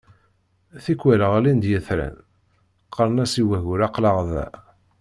Tikwal ɣellin-d yitran qqaren as i waggur aql-aɣ da.